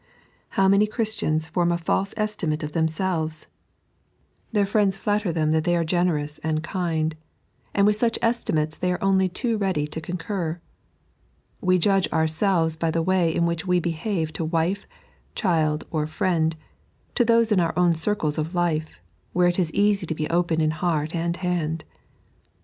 How many Christians form a fake estioiate of tbem selvea I Their friends flatter them that they are generous 3.n.iized by Google 86 God's Pbimal Law. and kind, and with bugIi eetimateB they are only too ready to concur. We judge ouraelves by the way in which we behave to wife, child, or friend, to tboee in our own circles of life, where it ie easy to be open in heart and hand.